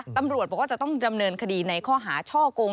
ตำรวจบอกว่าจะต้องดำเนินคดีในข้อหาช่อกง